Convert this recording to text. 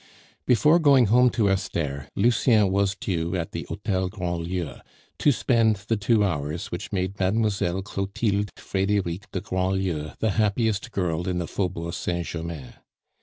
Before going home to Esther, Lucien was due at the Hotel Grandlieu, to spend the two hours which made Mademoiselle Clotilde Frederique de Grandlieu the happiest girl in the Faubourg Saint Germain.